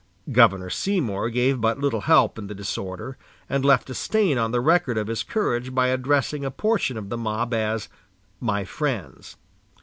Governor Seymour gave but little help in the disorder, and left a stain on the record of his courage by addressing a portion of the mob as "my friends."